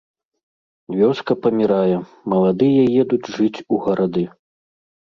Вёска памірае, маладыя едуць жыць у гарады.